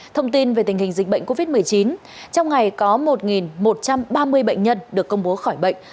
thông tin về tình hình dịch bệnh covid một mươi chín trong ngày có một một trăm ba mươi bệnh nhân được công bố khỏi bệnh